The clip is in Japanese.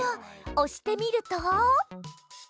おしてみると。